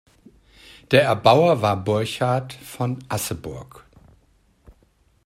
Der Erbauer war Burchard von Asseburg.